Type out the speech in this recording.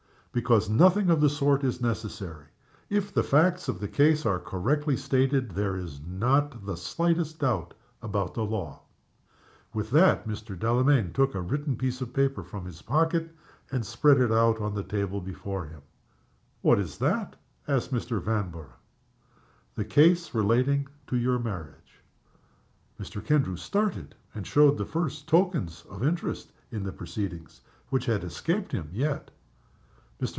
"'Because nothing of the sort is necessary. If the facts of the case are correctly stated there is not the slightest doubt about the law." With that reply Mr. Delamayn took a written paper from his pocket, and spread it out on the table before him. "What is that?" asked Mr. Vanborough. "The case relating to your marriage." Mr. Kendrew started, and showed the first tokens of interest in the proceedings which had escaped him yet. Mr.